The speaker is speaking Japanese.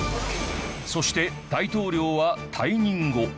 そして大統領は退任後。